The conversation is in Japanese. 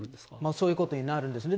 そういうことになるんですね。